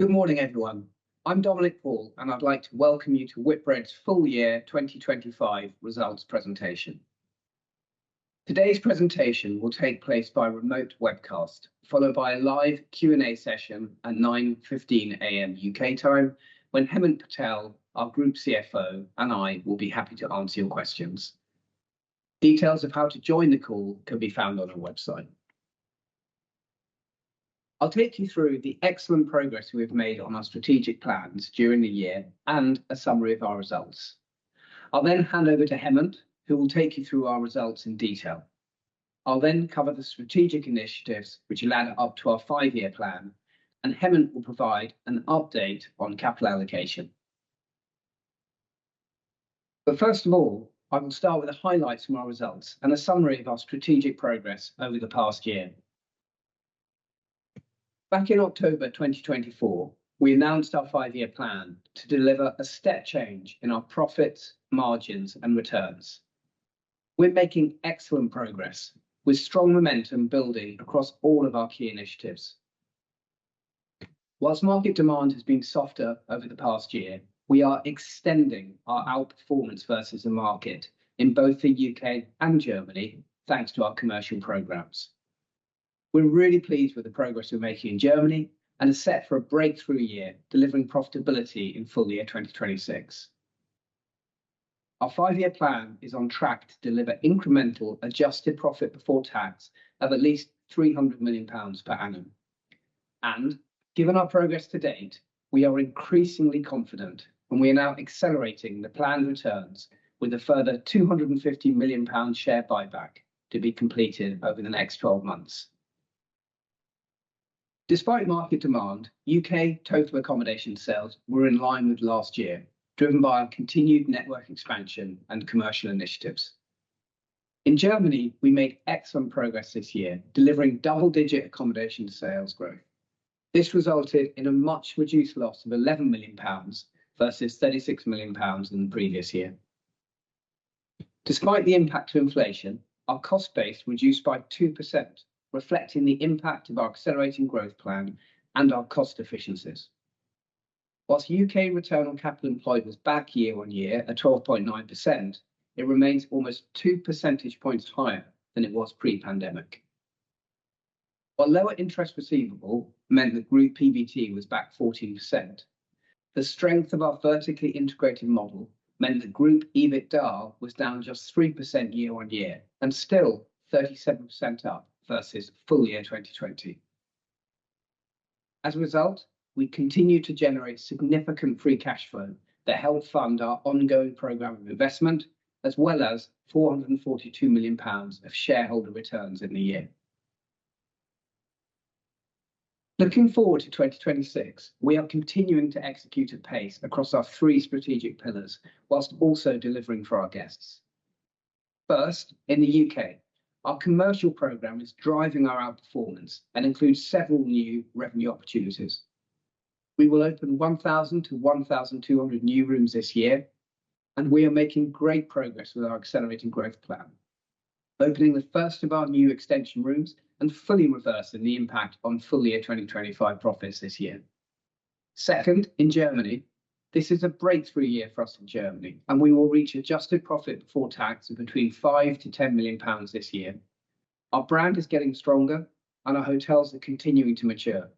Good morning, everyone. I'm Dominic Paul, and I'd like to welcome you to Whitbread's full year 2025 results presentation. Today's presentation will take place by remote webcast, followed by a live Q&A session at 9:15 A.M. U.K time, when Hemant Patel, our Group CFO, and I will be happy to answer your questions. Details of how to join the call can be found on our website. I'll take you through the excellent progress we've made on our strategic plans during the year and a summary of our results. I'll then hand over to Hemant, who will take you through our results in detail. I'll then cover the strategic initiatives, which will add up to our five-year plan, and Hemant will provide an update on capital allocation. First of all, I will start with a highlight from our results and a summary of our strategic progress over the past year. Back in October 2024, we announced our five-year plan to deliver a step change in our profits, margins, and returns. We're making excellent progress, with strong momentum building across all of our key initiatives. Whilst market demand has been softer over the past year, we are extending our outperformance versus the market in both the U.K. and Germany, thanks to our commercial programs. We're really pleased with the progress we're making in Germany and are set for a breakthrough year, delivering profitability in full year 2026. Our five-year plan is on track to deliver incremental adjusted profit before tax of at least 300 million pounds per annum. Given our progress to date, we are increasingly confident when we are now accelerating the planned returns with a further 250 million pound share buyback to be completed over the next 12 months. Despite market demand, U.K. total accommodation sales were in line with last year, driven by our continued network expansion and commercial initiatives. In Germany, we made excellent progress this year, delivering double-digit accommodation sales growth. This resulted in a much reduced loss of 11 million pounds versus 36 million pounds in the previous year. Despite the impact of inflation, our cost base reduced by 2%, reflecting the impact of our Accelerating Growth Plan and our cost efficiencies. Whilst U.K. return on capital employed was back year-on-year at 12.9%, it remains almost two percentage points higher than it was pre-pandemic. While lower interest receivable meant the group PBT was back 14%, the strength of our vertically integrated model meant the group EBITDA was down just 3% year-on-year and still 37% up versus full year 2020. As a result, we continue to generate significant free cash flow that helped fund our ongoing program of investment, as well as 442 million pounds of shareholder returns in the year. Looking forward to 2026, we are continuing to execute at pace across our three strategic pillars, whilst also delivering for our guests. First, in the U.K., our commercial program is driving our outperformance and includes several new revenue opportunities. We will open 1,000-1,200 new rooms this year, and we are making great progress with our Accelerating Growth Plan, opening the first of our new extension rooms and fully reversing the impact on full year 2025 profits this year. Second, in Germany, this is a breakthrough year for us in Germany, and we will reach adjusted profit before tax of between 5 million-10 million pounds this year. Our brand is getting stronger, and our hotels are continuing to mature.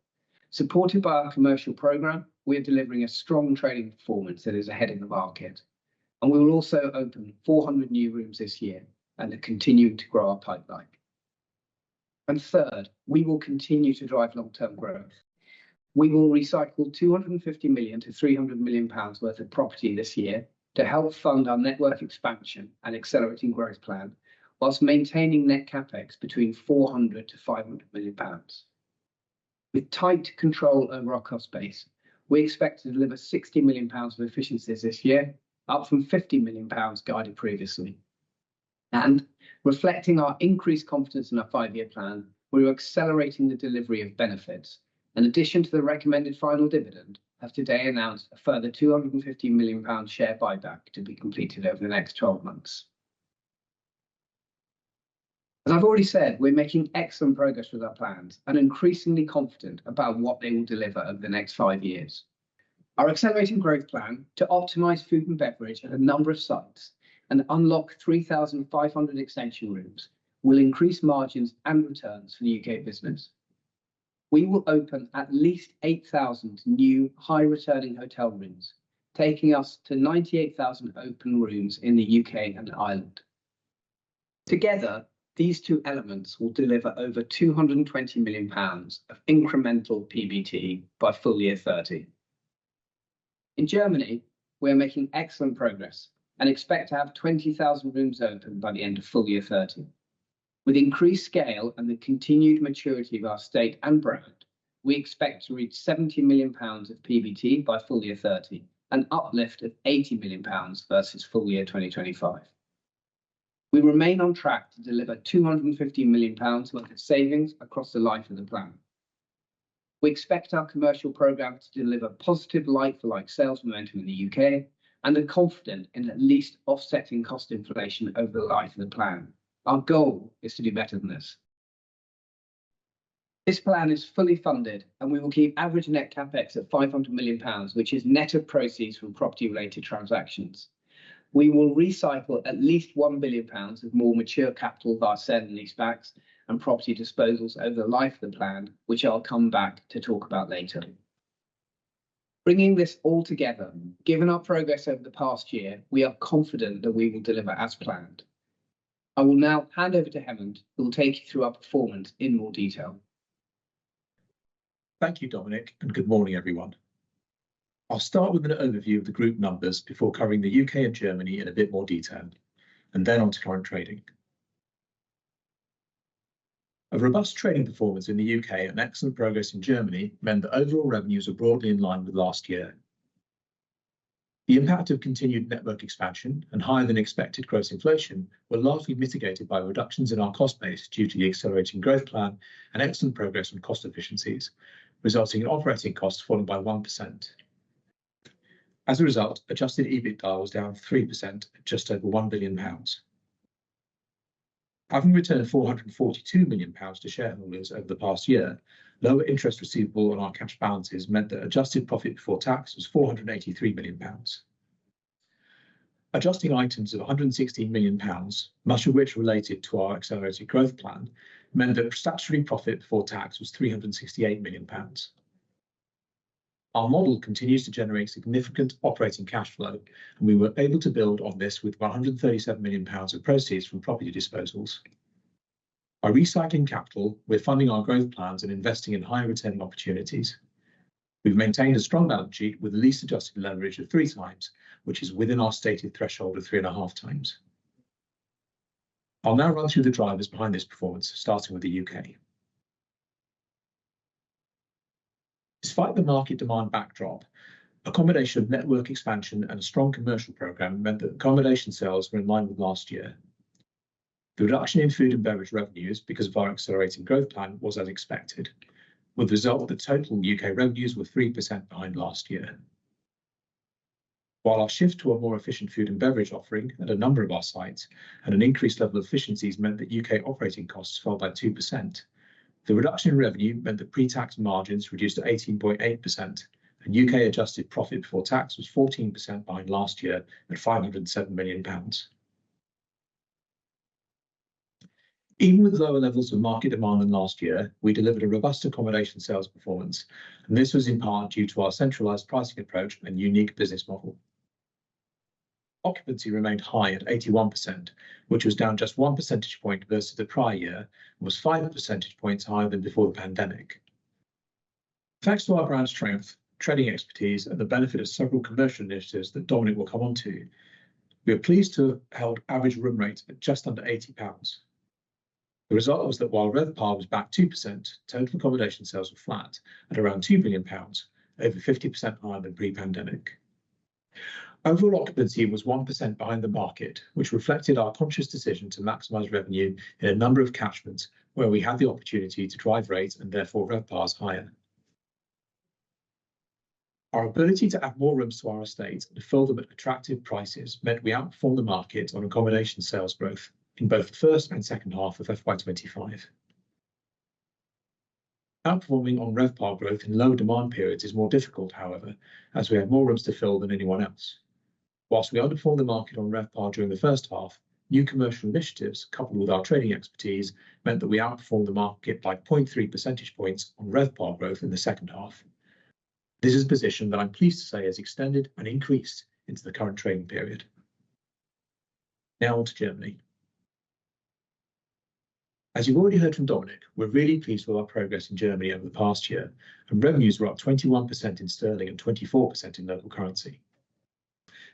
Supported by our commercial program, we are delivering a strong trading performance that is ahead of the market, and we will also open 400 new rooms this year and are continuing to grow our pipeline. Third, we will continue to drive long-term growth. We will recycle 250 million-300 million pounds worth of property this year to help fund our network expansion and Accelerating Growth Plan, whilst maintaining net CapEx between 400 million-500 million pounds. With tight control over our cost base, we expect to deliver 60 million pounds of efficiencies this year, up from 50 million pounds guided previously. Reflecting our increased confidence in our five-year plan, we are accelerating the delivery of benefits. In addition to the recommended final dividend, I have today announced a further 250 million pound share buyback to be completed over the next 12 months. As I've already said, we're making excellent progress with our plans and increasingly confident about what they will deliver over the next five years. Our Accelerating Growth Plan to optimize food and beverage at a number of sites and unlock 3,500 extension rooms will increase margins and returns for the U.K. business. We will open at least 8,000 new high-returning hotel rooms, taking us to 98,000 open rooms in the U.K. and Ireland. Together, these two elements will deliver over 220 million pounds of incremental PBT by full year 2030. In Germany, we are making excellent progress and expect to have 20,000 rooms open by the end of full year 2030. With increased scale and the continued maturity of our estate and brand, we expect to reach 70 million pounds of PBT by full year 2030, an uplift of 80 million pounds versus full year 2025. We remain on track to deliver 250 million pounds worth of savings across the life of the plan. We expect our commercial program to deliver positive like-for-like sales momentum in the U.K. and are confident in at least offsetting cost inflation over the life of the plan. Our goal is to do better than this. This plan is fully funded, and we will keep average net CapEx at 500 million pounds, which is net of proceeds from property-related transactions. We will recycle at least 1 billion pounds of more mature capital via sale and leasebacks and property disposals over the life of the plan, which I'll come back to talk about later. Bringing this all together, given our progress over the past year, we are confident that we will deliver as planned. I will now hand over to Hemant, who will take you through our performance in more detail. Thank you, Dominic, and good morning, everyone. I'll start with an overview of the group numbers before covering the U.K. and Germany in a bit more detail, and then on to current trading. A robust trading performance in the U.K. and excellent progress in Germany meant that overall revenues were broadly in line with last year. The impact of continued network expansion and higher-than-expected gross inflation were largely mitigated by reductions in our cost base due to the Accelerating Growth Plan and excellent progress on cost efficiencies, resulting in operating costs falling by 1%. As a result, adjusted EBITDA was down 3% at just over 1 billion pounds. Having returned 442 million pounds to shareholders over the past year, lower interest receivable on our cash balances meant that adjusted profit before tax was 483 million pounds. Adjusting items of 116 million pounds, much of which related to our Accelerating Growth Plan, meant that statutory profit before tax was 368 million pounds. Our model continues to generate significant operating cash flow, and we were able to build on this with 137 million pounds of proceeds from property disposals. By recycling capital, we're funding our growth plans and investing in higher-returning opportunities. We've maintained a strong balance sheet with lease-adjusted leverage of three times, which is within our stated threshold of three and a half times. I'll now run through the drivers behind this performance, starting with the U.K. Despite the market demand backdrop, accommodation network expansion and a strong commercial program meant that accommodation sales were in line with last year. The reduction in food and beverage revenues because of our Accelerating Growth Plan was as expected, with the result that total U.K. revenues were 3% behind last year. While our shift to a more efficient food and beverage offering at a number of our sites and an increased level of efficiencies meant that U.K. operating costs fell by 2%, the reduction in revenue meant that pre-tax margins reduced to 18.8%, and U.K. adjusted profit before tax was 14% behind last year at 507 million pounds. Even with lower levels of market demand than last year, we delivered a robust accommodation sales performance, and this was in part due to our centralized pricing approach and unique business model. Occupancy remained high at 81%, which was down just one percentage point versus the prior year and was five percentage points higher than before the pandemic. Thanks to our brand strength, trading expertise, and the benefit of several commercial initiatives that Dominic will come on to, we are pleased to have held average room rates at just under 80 pounds. The result was that while RevPAR was back 2%, total accommodation sales were flat at around 2 billion pounds, over 50% higher than pre-pandemic. Overall occupancy was 1% behind the market, which reflected our conscious decision to maximize revenue in a number of catchments where we had the opportunity to drive rates and therefore RevPARs higher. Our ability to add more rooms to our estate and fill them at attractive prices meant we outperformed the market on accommodation sales growth in both the first and second half of FY 2025. Outperforming on RevPAR growth in low demand periods is more difficult, however, as we have more rooms to fill than anyone else. Whilst we underperformed the market on RevPAR during the first half, new commercial initiatives coupled with our trading expertise meant that we outperformed the market by 0.3 percentage points on RevPAR growth in the second half. This is a position that I'm pleased to say has extended and increased into the current trading period. Now on to Germany. As you've already heard from Dominic, we're really pleased with our progress in Germany over the past year, and revenues were up 21% in GBP and 24% in local currency.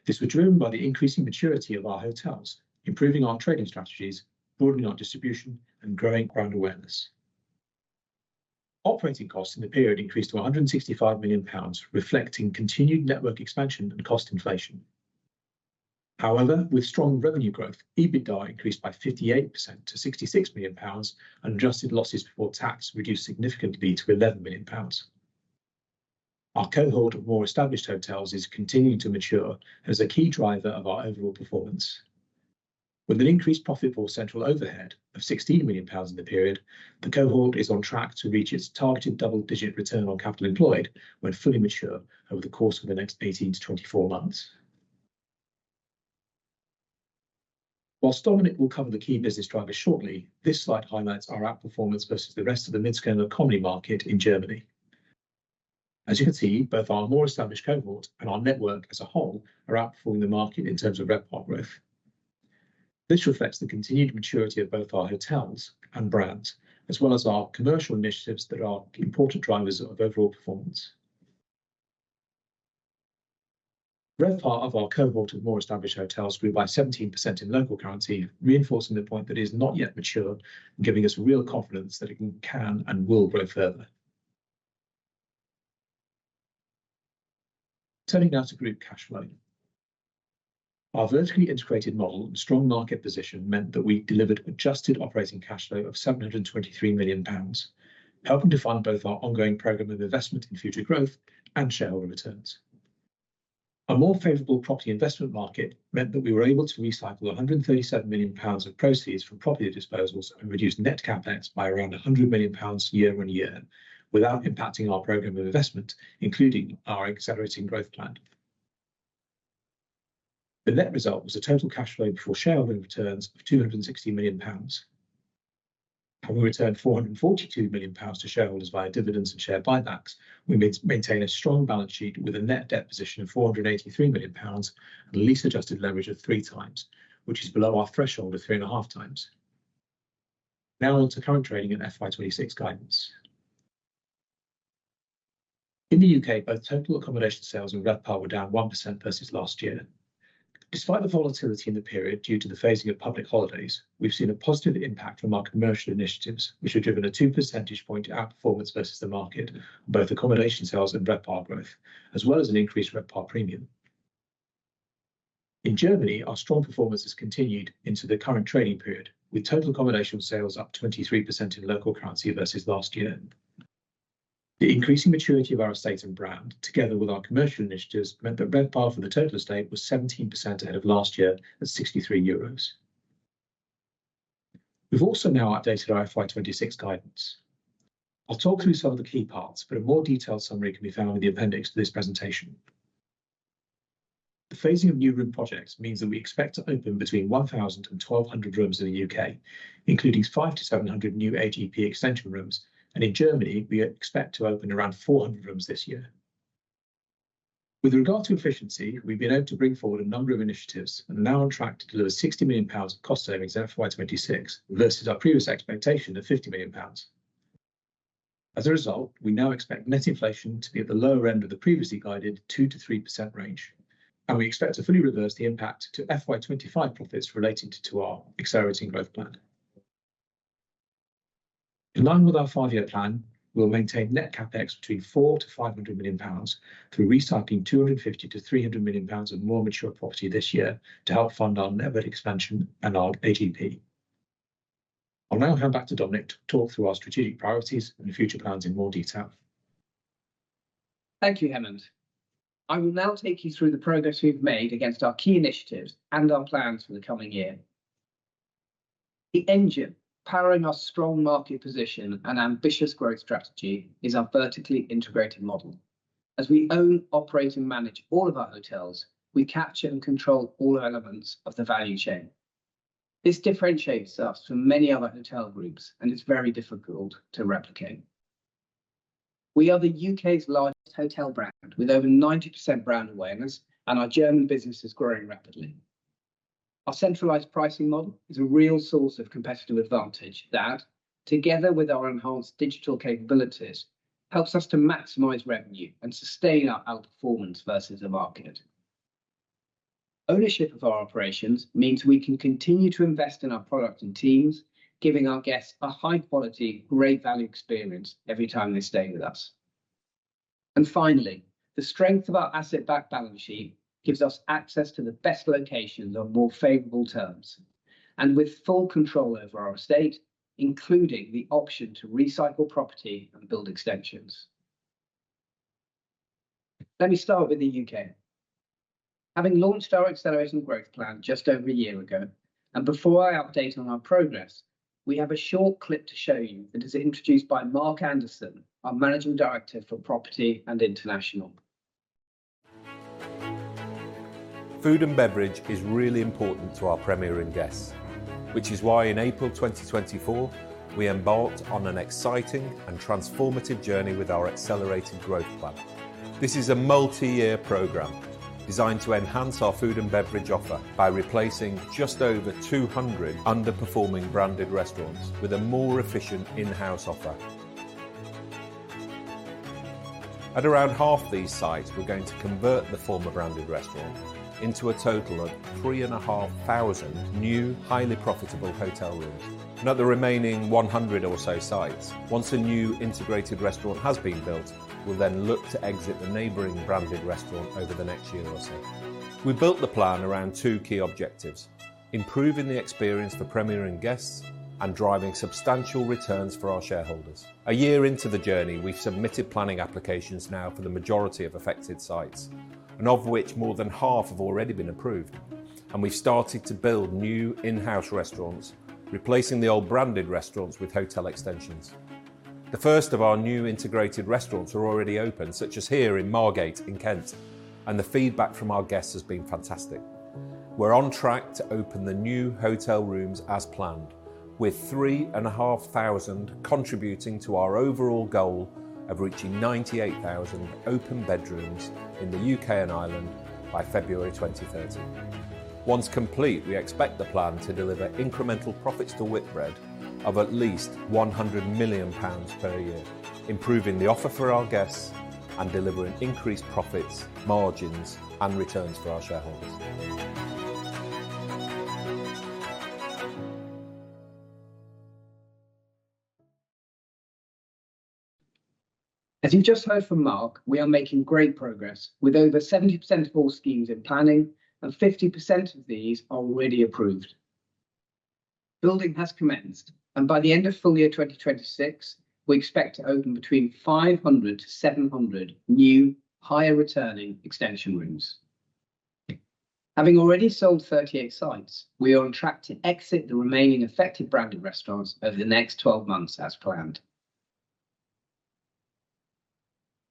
This was driven by the increasing maturity of our hotels, improving our trading strategies, broadening our distribution, and growing brand awareness. Operating costs in the period increased to 165 million pounds, reflecting continued network expansion and cost inflation. However, with strong revenue growth, EBITDA increased by 58% to 66 million pounds and adjusted losses before tax reduced significantly to 11 million pounds. Our cohort of more established hotels is continuing to mature as a key driver of our overall performance. With an increased profitable central overhead of 16 million pounds in the period, the cohort is on track to reach its targeted double-digit return on capital employed when fully mature over the course of the next 18 months-24 months. Whilst Dominic will cover the key business drivers shortly, this slide highlights our outperformance versus the rest of the mid-scale economy market in Germany. As you can see, both our more established cohort and our network as a whole are outperforming the market in terms of RevPAR growth. This reflects the continued maturity of both our hotels and brand, as well as our commercial initiatives that are important drivers of overall performance. RevPAR of our cohort of more established hotels grew by 17% in local currency, reinforcing the point that it is not yet mature and giving us real confidence that it can and will grow further. Turning now to group cash flow. Our vertically integrated model and strong market position meant that we delivered adjusted operating cash flow of 723 million pounds, helping to fund both our ongoing program of investment in future growth and shareholder returns. A more favorable property investment market meant that we were able to recycle 137 million pounds of proceeds from property disposals and reduce net CapEx by around 100 million pounds year-on-year without impacting our program of investment, including our Accelerating Growth Plan. The net result was a total cash flow before shareholding returns of 260 million pounds. Having returned 442 million pounds to shareholders via dividends and share buybacks, we maintain a strong balance sheet with a net debt position of 483 million pounds and a lease-adjusted leverage of 3x, which is below our threshold of 3.5x. Now on to current trading and FY 2026 guidance. In the U.K., both total accommodation sales and RevPAR were down 1% versus last year. Despite the volatility in the period due to the phasing of public holidays, we've seen a positive impact from our commercial initiatives, which have driven a 2 percentage point outperformance versus the market on both accommodation sales and RevPAR growth, as well as an increased RevPAR premium. In Germany, our strong performance has continued into the current trading period, with total accommodation sales up 23% in local currency versus last year. The increasing maturity of our estate and brand, together with our commercial initiatives, meant that RevPAR for the total estate was 17% ahead of last year at 63 euros. We've also now updated our FY 2026 guidance. I'll talk through some of the key parts, but a more detailed summary can be found in the appendix to this presentation. The phasing of new room projects means that we expect to open between 1,000 rooms and 1,200 rooms in the U.K., including 500-700 new AGP extension rooms, and in Germany, we expect to open around 400 rooms this year. With regard to efficiency, we've been able to bring forward a number of initiatives and are now on track to deliver 60 million pounds of cost savings in FY 2026 versus our previous expectation of 50 million pounds. As a result, we now expect net inflation to be at the lower end of the previously guided 2-3% range, and we expect to fully reverse the impact to FY 2025 profits related to our Accelerating Growth Plan. In line with our five-year plan, we'll maintain net CapEx between 400 million-500 million pounds through recycling 250 million-300 million pounds of more mature property this year to help fund our network expansion and our AGP. I'll now hand back to Dominic to talk through our strategic priorities and future plans in more detail. Thank you, Hemant. I will now take you through the progress we've made against our key initiatives and our plans for the coming year. The engine powering our strong market position and ambitious growth strategy is our vertically integrated model. As we own, operate, and manage all of our hotels, we capture and control all elements of the value chain. This differentiates us from many other hotel groups, and it's very difficult to replicate. We are the U.K.'s largest hotel brand with over 90% brand awareness, and our German business is growing rapidly. Our centralized pricing model is a real source of competitive advantage that, together with our enhanced digital capabilities, helps us to maximize revenue and sustain our outperformance versus the market. Ownership of our operations means we can continue to invest in our product and teams, giving our guests a high-quality, great value experience every time they stay with us. Finally, the strength of our asset-backed balance sheet gives us access to the best locations on more favorable terms and with full control over our estate, including the option to recycle property and build extensions. Let me start with the U.K. Having launched our Accelerating Growth Plan just over a year ago, and before I update on our progress, we have a short clip to show you that is introduced by Mark Anderson, our Managing Director for Property and International. Food and beverage is really important to our Premier Inn guests, which is why in April 2024, we embarked on an exciting and transformative journey with our Accelerating Growth Plan. This is a multi-year program designed to enhance our food and beverage offer by replacing just over 200 underperforming branded restaurants with a more efficient in-house offer. At around half these sites, we are going to convert the former branded restaurant into a total of 3,500 new highly profitable hotel rooms. At the remaining 100 or so sites, once a new integrated restaurant has been built, we will then look to exit the neighboring branded restaurant over the next year or so. We built the plan around two key objectives: improving the experience for Premier Inn guests and driving substantial returns for our shareholders. A year into the journey, we've submitted planning applications now for the majority of affected sites, of which more than half have already been approved, and we've started to build new in-house restaurants, replacing the old branded restaurants with hotel extensions. The first of our new integrated restaurants are already open, such as here in Margate in Kent, and the feedback from our guests has been fantastic. We're on track to open the new hotel rooms as planned, with 3,500 contributing to our overall goal of reaching 98,000 open bedrooms in the U.K. and Ireland by February 2030. Once complete, we expect the plan to deliver incremental profits to Whitbread of at least 100 million pounds per year, improving the offer for our guests and delivering increased profits, margins, and returns for our shareholders. As you just heard from Mark, we are making great progress with over 70% of all schemes in planning, and 50% of these are already approved. Building has commenced, and by the end of full year 2026, we expect to open between 500-700 new higher returning extension rooms. Having already sold 38 sites, we are on track to exit the remaining affected branded restaurants over the next 12 months as planned.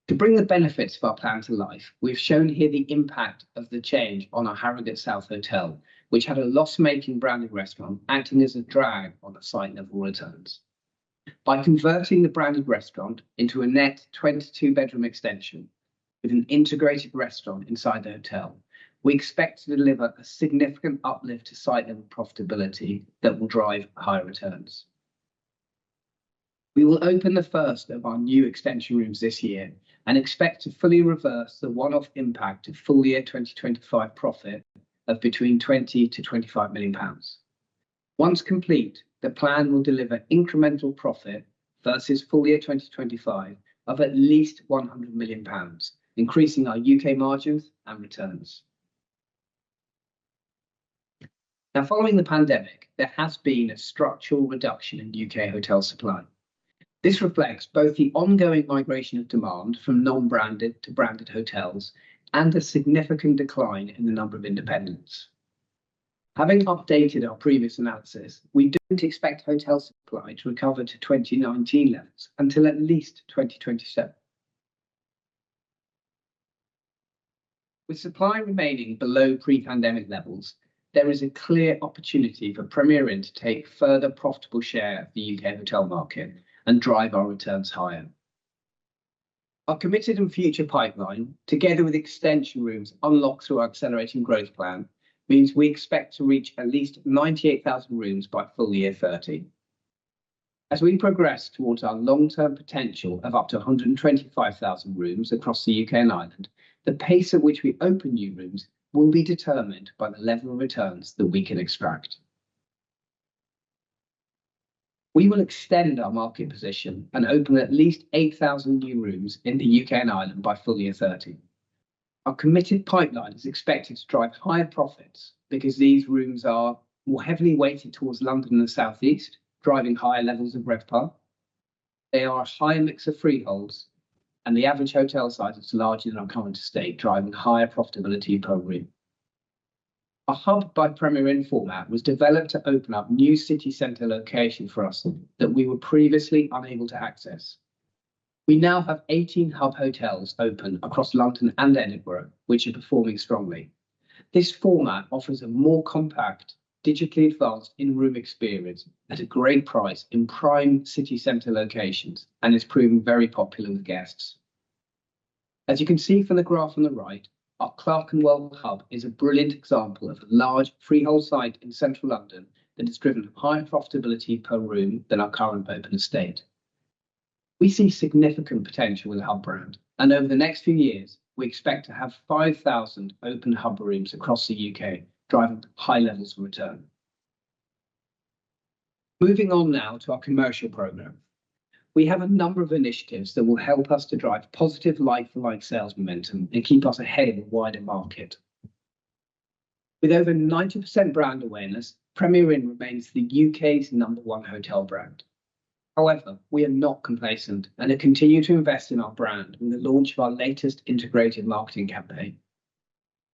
To bring the benefits of our plan to life, we've shown here the impact of the change on our Harrogate South Hotel, which had a loss-making branded restaurant acting as a drag on the site level returns. By converting the branded restaurant into a net 22-bedroom extension with an integrated restaurant inside the hotel, we expect to deliver a significant uplift to site-level profitability that will drive higher returns. We will open the first of our new extension rooms this year and expect to fully reverse the one-off impact of full year 2025 profit of between 20 million-25 million pounds. Once complete, the plan will deliver incremental profit versus full year 2025 of at least 100 million pounds, increasing our U.K. margins and returns. Now, following the pandemic, there has been a structural reduction in U.K. hotel supply. This reflects both the ongoing migration of demand from non-branded to branded hotels and a significant decline in the number of independents. Having updated our previous analysis, we didn't expect hotel supply to recover to 2019 levels until at least 2027. With supply remaining below pre-pandemic levels, there is a clear opportunity for Premier Inn to take further profitable share of the U.K. hotel market and drive our returns higher. Our committed and future pipeline, together with extension rooms unlocked through our Accelerating Growth Plan, means we expect to reach at least 98,000 rooms by full year 2030. As we progress towards our long-term potential of up to 125,000 rooms across the U.K. and Ireland, the pace at which we open new rooms will be determined by the level of returns that we can extract. We will extend our market position and open at least 8,000 new rooms in the U.K. and Ireland by full year 2030. Our committed pipeline is expected to drive higher profits because these rooms are more heavily weighted towards London and the Southeast, driving higher levels of RevPAR. They are a higher mix of freeholds, and the average hotel size is larger than our current estate, driving higher profitability per room. A Hub by Premier Inn format was developed to open up new city center locations for us that we were previously unable to access. We now have 18 Hub hotels open across London and Edinburgh, which are performing strongly. This format offers a more compact, digitally advanced in-room experience at a great price in prime city center locations and is proving very popular with guests. As you can see from the graph on the right, our Clerkenwell Hub is a brilliant example of a large freehold site in central London that is driving a higher profitability per room than our current open estate. We see significant potential with our brand, and over the next few years, we expect to have 5,000 open Hub rooms across the U.K., driving high levels of return. Moving on now to our commercial program, we have a number of initiatives that will help us to drive positive like-for-like sales momentum and keep us ahead of a wider market. With over 90% brand awareness, Premier Inn remains the U.K.'s number one hotel brand. However, we are not complacent and have continued to invest in our brand with the launch of our latest integrated marketing campaign.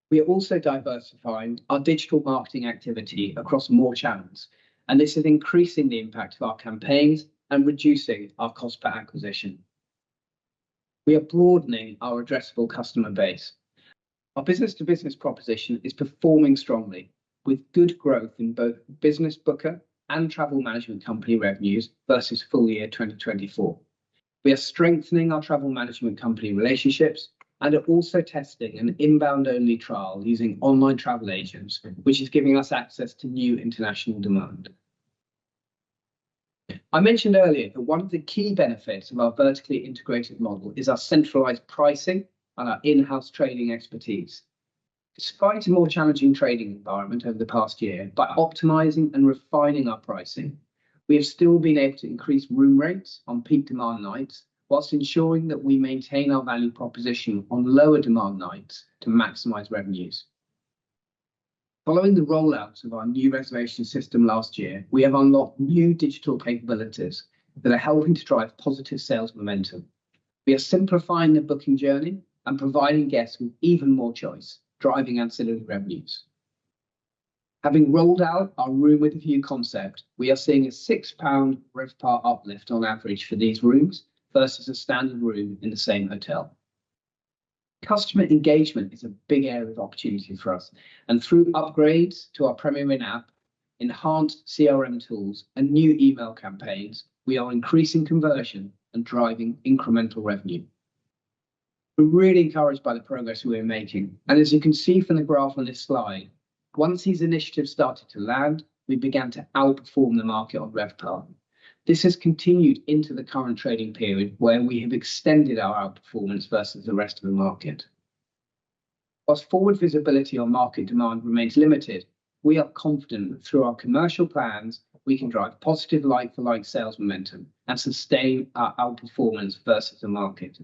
We are also diversifying our digital marketing activity across more channels, and this is increasing the impact of our campaigns and reducing our cost per acquisition. We are broadening our addressable customer base. Our business-to-business proposition is performing strongly, with good growth in both Business Booker and travel management company revenues versus full year 2024. We are strengthening our travel management company relationships and are also testing an inbound-only trial using online travel agents, which is giving us access to new international demand. I mentioned earlier that one of the key benefits of our vertically integrated model is our centralized pricing and our in-house trading expertise. Despite a more challenging trading environment over the past year, by optimizing and refining our pricing, we have still been able to increase room rates on peak demand nights whilst ensuring that we maintain our value proposition on lower demand nights to maximize revenues. Following the rollout of our new reservation system last year, we have unlocked new digital capabilities that are helping to drive positive sales momentum. We are simplifying the booking journey and providing guests with even more choice, driving ancillary revenues. Having rolled out our Room with a View concept, we are seeing a 6 pound RevPAR uplift on average for these rooms versus a standard room in the same hotel. Customer engagement is a big area of opportunity for us, and through upgrades to our Premier Inn app, enhanced CRM tools, and new email campaigns, we are increasing conversion and driving incremental revenue. We're really encouraged by the progress we are making, and as you can see from the graph on this slide, once these initiatives started to land, we began to outperform the market on RevPAR. This has continued into the current trading period where we have extended our outperformance versus the rest of the market. Whilst forward visibility on market demand remains limited, we are confident that through our commercial plans, we can drive positive like-for-like sales momentum and sustain our outperformance versus the market.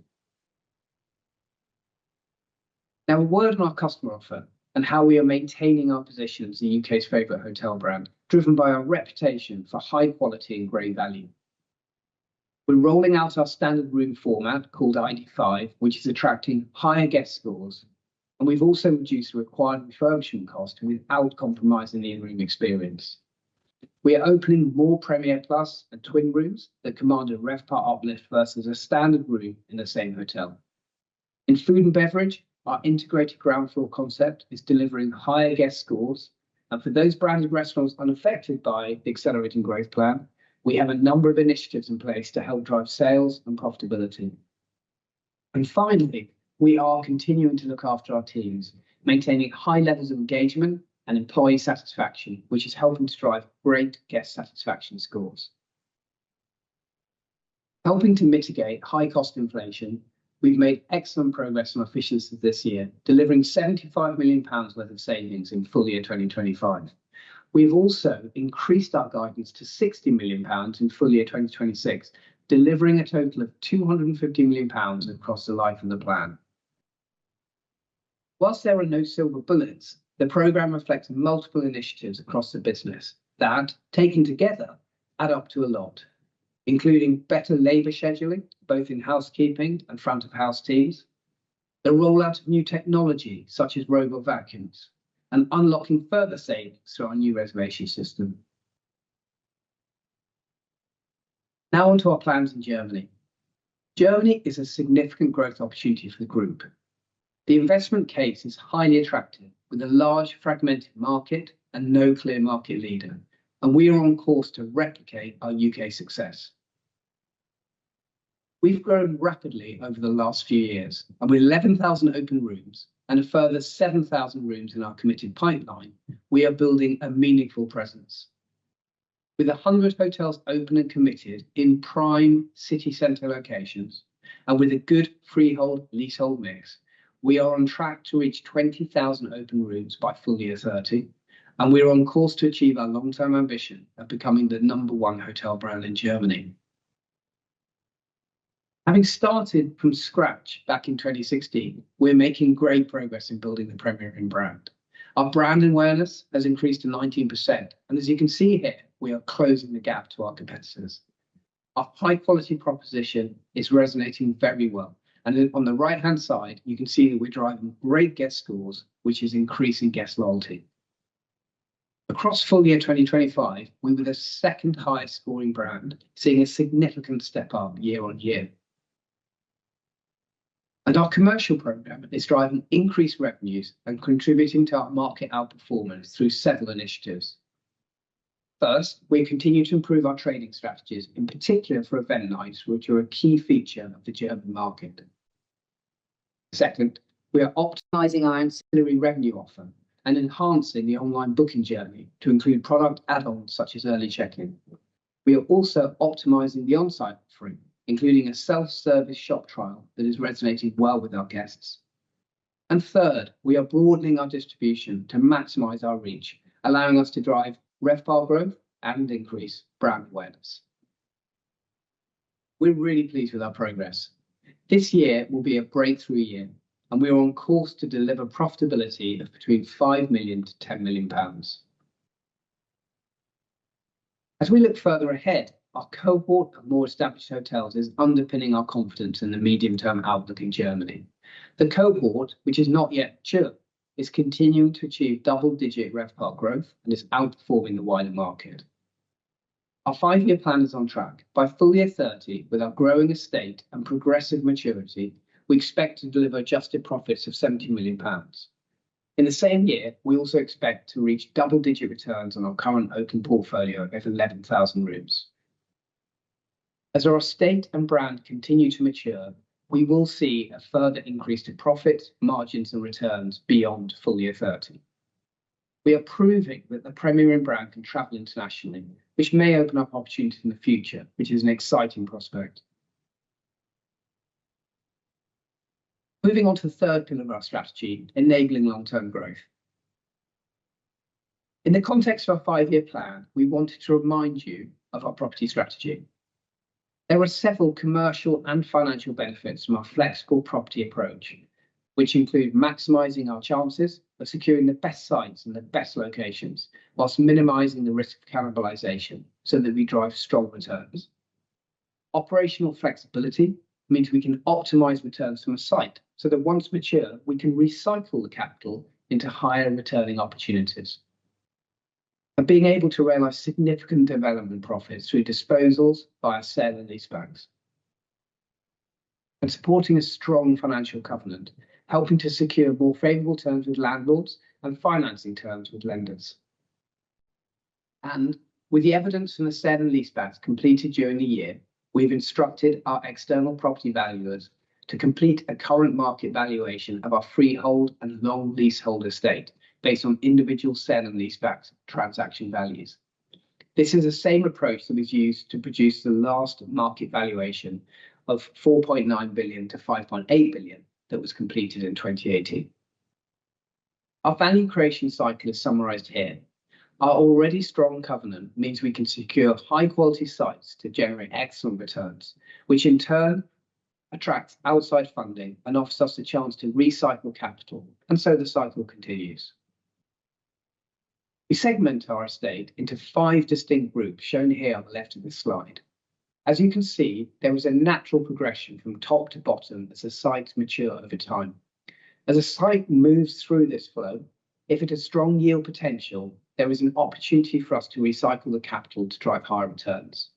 Now, a word on our customer offer and how we are maintaining our positions in U.K.'s favourite hotel brand, driven by our reputation for high quality and great value. We're rolling out our standard room format called ID5, which is attracting higher guest scores, and we've also reduced required refurbishment costs without compromising the in-room experience. We are opening more Premier Plus and twin rooms that command a RevPAR uplift versus a standard room in the same hotel. In Food and Beverage, our integrated ground floor concept is delivering higher guest scores, and for those branded restaurants unaffected by the Accelerating Growth Plan, we have a number of initiatives in place to help drive sales and profitability. Finally, we are continuing to look after our teams, maintaining high levels of engagement and employee satisfaction, which is helping to drive great guest satisfaction scores. Helping to mitigate high-cost inflation, we've made excellent progress on efficiency this year, delivering 75 million pounds worth of savings in full year 2025. We've also increased our guidance to 60 million pounds in full year 2026, delivering a total of 250 million pounds across the life of the plan. Whilst there are no silver bullets, the program reflects multiple initiatives across the business that, taken together, add up to a lot, including better labor scheduling, both in housekeeping and front-of-house teams, the rollout of new technology such as robot vacuums, and unlocking further savings through our new reservation system. Now on to our plans in Germany. Germany is a significant growth opportunity for the group. The investment case is highly attractive with a large fragmented market and no clear market leader, and we are on course to replicate our U.K. success. We've grown rapidly over the last few years, and with 11,000 open rooms and a further 7,000 rooms in our committed pipeline, we are building a meaningful presence. With 100 hotels open and committed in prime city centre locations, and with a good freehold-leasehold mix, we are on track to reach 20,000 open rooms by full year 2030, and we are on course to achieve our long-term ambition of becoming the number one hotel brand in Germany. Having started from scratch back in 2016, we're making great progress in building the Premier Inn brand. Our brand awareness has increased to 19%, and as you can see here, we are closing the gap to our competitors. Our high-quality proposition is resonating very well, and on the right-hand side, you can see that we're driving great guest scores, which is increasing guest loyalty. Across full year 2025, we were the second highest scoring brand, seeing a significant step up year-on-year. Our commercial program is driving increased revenues and contributing to our market outperformance through several initiatives. First, we continue to improve our trading strategies, in particular for event nights, which are a key feature of the German market. Second, we are optimizing our ancillary revenue offer and enhancing the online booking journey to include product add-ons such as early check-in. We are also optimizing the onsite offering, including a self-service shop trial that is resonating well with our guests. Third, we are broadening our distribution to maximize our reach, allowing us to drive RevPAR growth and increase brand awareness. We're really pleased with our progress. This year will be a breakthrough year, and we are on course to deliver profitability of between 5 million-10 million pounds. As we look further ahead, our cohort of more established hotels is underpinning our confidence in the medium-term outlook in Germany. The cohort, which is not yet mature, is continuing to achieve double-digit RevPAR growth and is outperforming the wider market. Our five-year plan is on track. By full year 2030, with our growing estate and progressive maturity, we expect to deliver adjusted profits of 70 million pounds. In the same year, we also expect to reach double-digit returns on our current open portfolio of 11,000 rooms. As our estate and brand continue to mature, we will see a further increase to profits, margins, and returns beyond full year 2030. We are proving that the Premier Inn brand can travel internationally, which may open up opportunities in the future, which is an exciting prospect. Moving on to the third pillar of our strategy, enabling long-term growth. In the context of our five-year plan, we wanted to remind you of our property strategy. There are several commercial and financial benefits from our flexible property approach, which include maximizing our chances of securing the best sites and the best locations whilst minimizing the risk of cannibalization so that we drive strong returns. Operational flexibility means we can optimize returns from a site so that once mature, we can recycle the capital into higher returning opportunities. Being able to realize significant development profits through disposals via sale and leasebacks supports a strong financial covenant, helping to secure more favorable terms with landlords and financing terms with lenders. With the evidence from the sale and leasebacks completed during the year, we've instructed our external property valuers to complete a current market valuation of our freehold and long leasehold estate based on individual sale and leasebacks transaction values. This is the same approach that was used to produce the last market valuation of 4.9 billion-5.8 billion that was completed in 2018. Our value creation cycle is summarized here. Our already strong covenant means we can secure high-quality sites to generate excellent returns, which in turn attracts outside funding and offers us a chance to recycle capital, and so the cycle continues. We segment our estate into five distinct groups shown here on the left of this slide. As you can see, there was a natural progression from top to bottom as the sites mature over time. As a site moves through this flow, if it has strong yield potential, there is an opportunity for us to recycle the capital to drive higher returns.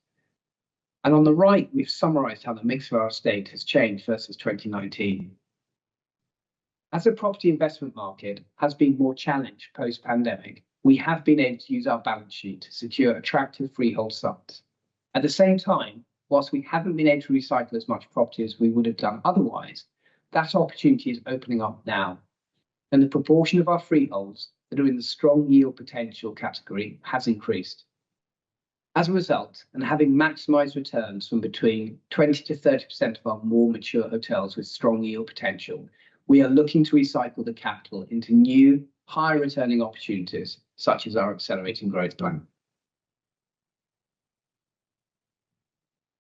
On the right, we've summarized how the mix of our estate has changed versus 2019. As the property investment market has been more challenged post-pandemic, we have been able to use our balance sheet to secure attractive freehold sites. At the same time, whilst we haven't been able to recycle as much property as we would have done otherwise, that opportunity is opening up now, and the proportion of our freeholds that are in the strong yield potential category has increased. As a result, and having maximized returns from between 20%-30% of our more mature hotels with strong yield potential, we are looking to recycle the capital into new, higher returning opportunities such as our Accelerating Growth Plan.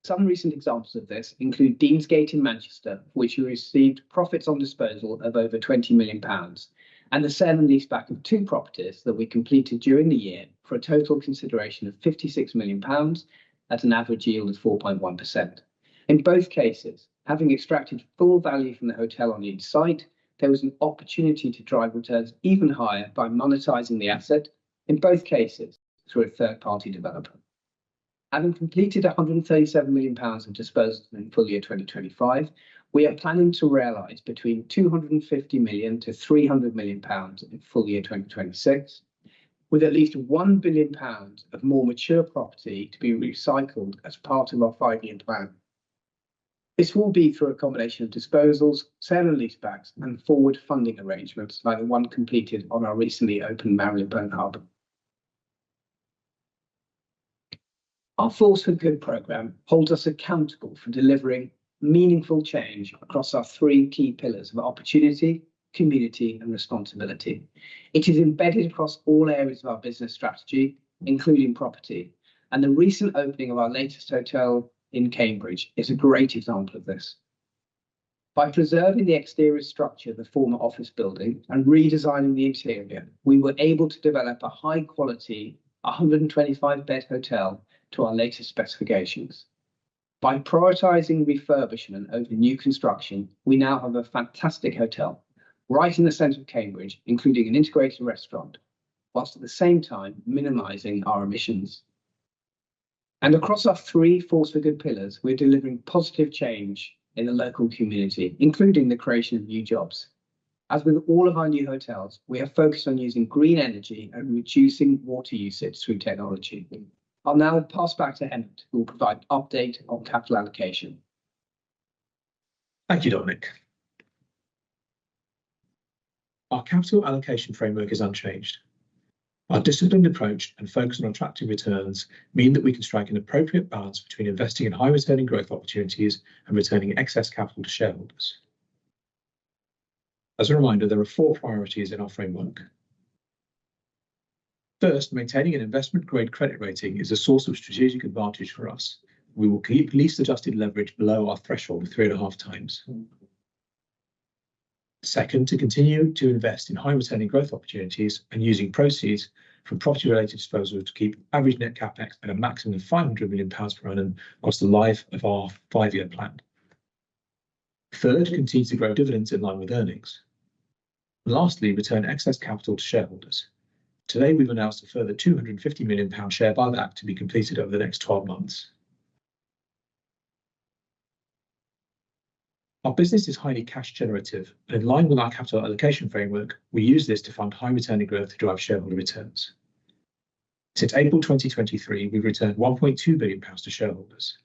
Some recent examples of this include Deansgate in Manchester, for which we received profits on disposal of over 20 million pounds, and the sale and leaseback of two properties that we completed during the year for a total consideration of 56 million pounds at an average yield of 4.1%. In both cases, having extracted full value from the hotel on each site, there was an opportunity to drive returns even higher by monetizing the asset in both cases through a third-party developer. Having completed 137 million pounds of disposal in full year 2025, we are planning to realize between 250 million and 300 million pounds in full year 2026, with at least 1 billion pounds of more mature property to be recycled as part of our five-year plan. This will be through a combination of disposals, sale and leasebacks, and forward funding arrangements like the one completed on our recently opened Marylebone Hub. Our Force for Good program holds us accountable for delivering meaningful change across our three key pillars of Opportunity, Community, and Responsibility. It is embedded across all areas of our business strategy, including property, and the recent opening of our latest hotel in Cambridge is a great example of this. By preserving the exterior structure of the former office building and redesigning the interior, we were able to develop a high-quality, 125-bed hotel to our latest specifications. By prioritizing refurbishment over new construction, we now have a fantastic hotel right in the center of Cambridge, including an integrated restaurant, whilst at the same time minimizing our emissions. Across our three Force for Good pillars, we're delivering positive change in the local community, including the creation of new jobs. As with all of our new hotels, we have focused on using green energy and reducing water usage through technology. I'll now pass back to Hemant, who will provide an update on capital allocation. Thank you, Dominic. Our capital allocation framework is unchanged. Our disciplined approach and focus on attractive returns mean that we can strike an appropriate balance between investing in high-returning growth opportunities and returning excess capital to shareholders. As a reminder, there are four priorities in our framework. First, maintaining an investment-grade credit rating is a source of strategic advantage for us. We will keep lease-adjusted leverage below our threshold of 3.5x. Second, to continue to invest in high-returning growth opportunities and using proceeds from property-related disposals to keep average net CapEx at a maximum of 500 million pounds per annum across the life of our five-year plan. Third, continue to grow dividends in line with earnings. Lastly, return excess capital to shareholders. Today, we've announced a further 250 million pound share buyback to be completed over the next 12 months. Our business is highly cash-generative, and in line with our capital allocation framework, we use this to fund high-returning growth to drive shareholder returns. Since April 2023, we've returned 1.2 billion pounds to shareholders.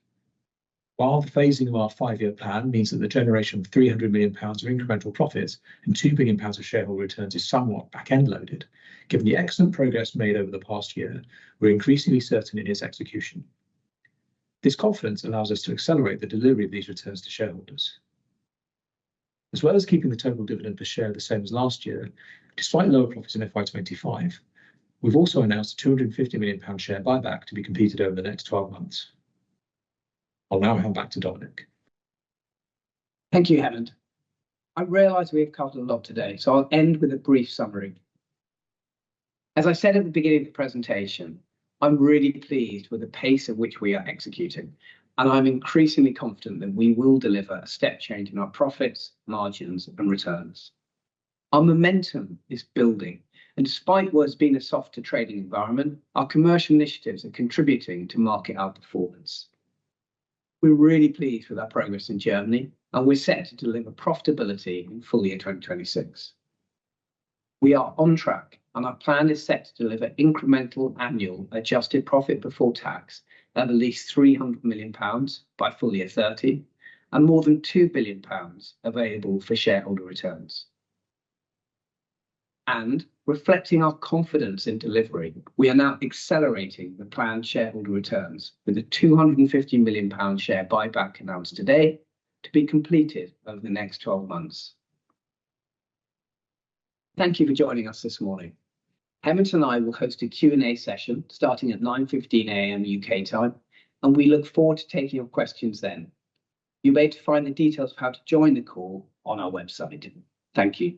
While the phasing of our five-year plan means that the generation of 300 million pounds of incremental profits and 2 billion pounds of shareholder returns is somewhat back-end loaded, given the excellent progress made over the past year, we're increasingly certain in its execution. This confidence allows us to accelerate the delivery of these returns to shareholders. As well as keeping the total dividend per share the same as last year, despite lower profits in FY 2025, we have also announced a 250 million pound share buyback to be completed over the next 12 months. I'll now hand back to Dominic. Thank you, Hemant. I realize we have covered a lot today, so I'll end with a brief summary. As I said at the beginning of the presentation, I'm really pleased with the pace at which we are executing, and I'm increasingly confident that we will deliver a step change in our profits, margins, and returns. Our momentum is building, and despite what has been a softer trading environment, our commercial initiatives are contributing to market outperformance. We're really pleased with our progress in Germany, and we're set to deliver profitability in full year 2026. We are on track, and our plan is set to deliver incremental annual adjusted profit before tax at at least 300 million pounds by full year 2030, and more than 2 billion pounds available for shareholder returns. Reflecting our confidence in delivery, we are now accelerating the planned shareholder returns with a 250 million pound share buyback announced today to be completed over the next 12 months. Thank you for joining us this morning. Hemant and I will host a Q&A session starting at 9:15 A.M. U.K. time, and we look forward to taking your questions then. You will be able to find the details of how to join the call on our website. Thank you.